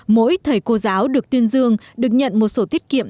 mỗi thầy cô giáo được tuyên dương được nhận một sổ tiết kiệm